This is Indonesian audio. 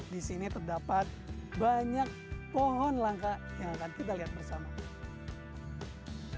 di sini terdapat banyak pohon langka yang akan kita lihat bersama